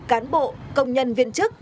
cán bộ công nhân viên chức